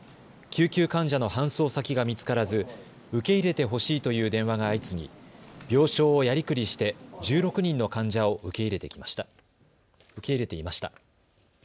救急患者の搬送先が見つからず受け入れてほしいという電話が相次ぎ、病床をやりくりして１６人の患者を受け入れていました。